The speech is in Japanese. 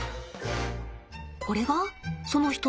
これがその一つ？